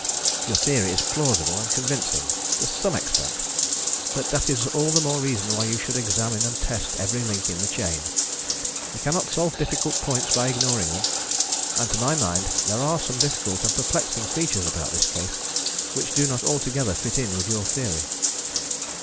Your theory is plausible and convincing to some extent but that is all the more reason why you should examine and test every link in the chain. You cannot solve difficult points by ignoring them and, to my mind, there are some difficult and perplexing features about this case which do not altogether fit in with your theory."